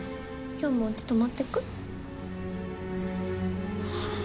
今日もうち泊まってく？